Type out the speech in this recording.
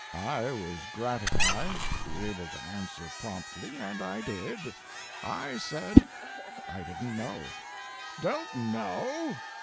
I was gratified to be able to answer promptly, and I did. I said I didn't know. "Don't know!"